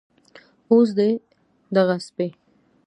اوس دې دغه سپي